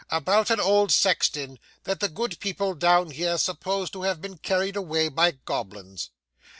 'About an old sexton, that the good people down here suppose to have been carried away by goblins.